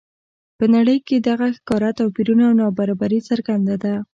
په نړۍ کې دغه ښکاره توپیرونه او نابرابري څرګنده ده.